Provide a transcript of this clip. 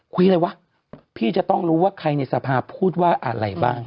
คุยอะไรวะพี่จะต้องรู้ว่าใครในสภาพูดว่าอะไรบ้าง